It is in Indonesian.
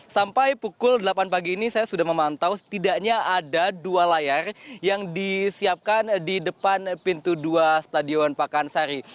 sampai pukul delapan pagi ini saya sudah memantau setidaknya ada dua layar yang disiapkan di depan pintu dua stadion pakansari